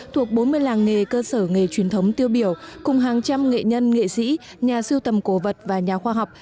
thuộc bốn mươi làng nghề cơ sở nghề truyền thống tiêu biểu cùng hàng trăm nghệ nhân nghệ sĩ nhà sưu tầm cổ vật và nhà khoa học